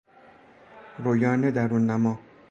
رویان درون نما